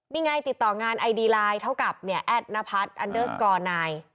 นี่ไงติดต่องานไอดีไลน์เท่ากับเนี่ยแอดนพัฒน์อันเดอร์สกอร์นาย